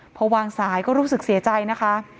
พอวางสายก็รู้สึกเสียใจนะคะ